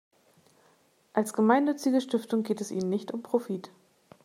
Als gemeinnützige Stiftung geht es ihnen nicht um Profit.